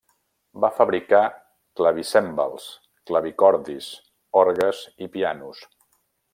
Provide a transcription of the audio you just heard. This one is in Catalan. Va fabricar clavicèmbals, clavicordis, orgues i pianos.